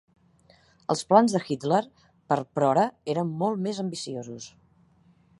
Els plans de Hitler per Prora eren molt més ambiciosos.